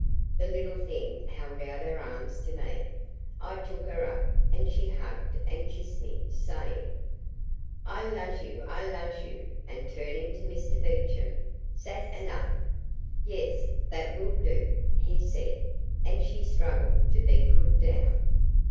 The little thing held out her arms to me. I took her up, and she hugged and kissed me, saying: "I luz oo, I luz oo," and turning to Mr Beecham, "zat anuff? "Yes, that will do," he said; and she struggled to be put down.